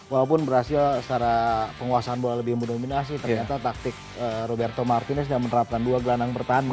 walaupun berhasil secara penguasaan bola lebih mendominasi ternyata taktik roberto martinez yang menerapkan dua gelanang pertahanan